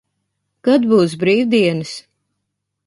Kad būs brīvdienas?